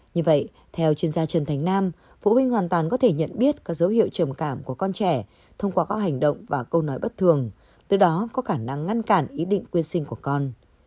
như vậy theo chuyên gia trần thành nam phụ huynh hoàn toàn có thể nhận biết các dấu hiệu trầm cảm của con trẻ thông qua các hành động và câu nói bất thường từ đó có khả năng ngăn cản ý định quy sinh của con